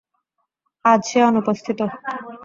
আজ সে অনুপস্থিতও।